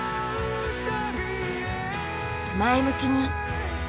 前向きに。